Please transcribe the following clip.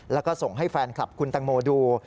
แล้วก็ส่งให้แฟนคลับคุณแตงโมดู